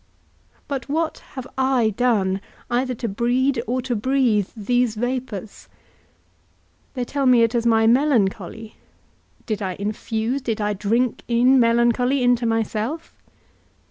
But what have I done, either to breed or to breathe these vapours? They tell me it is my melancholy; did I infuse, did I drink in melancholy into myself?